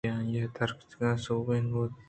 آ کہ آئی ءِ درگیجگ ءَ سوٛبین بُوت